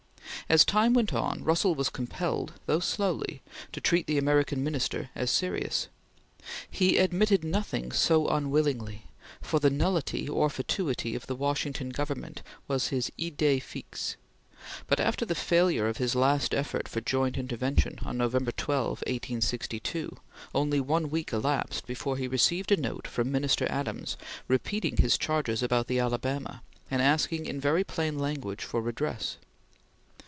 As time went on, Russell was compelled, though slowly, to treat the American Minister as serious. He admitted nothing so unwillingly, for the nullity or fatuity of the Washington Government was his idee fixe; but after the failure of his last effort for joint intervention on November 12, 1862, only one week elapsed before he received a note from Minister Adams repeating his charges about the Alabama, and asking in very plain language for redress.